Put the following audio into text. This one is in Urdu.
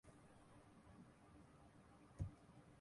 رکھنے والے حلقے یہ تاثر پھیلا رہے ہیں کہ اعلی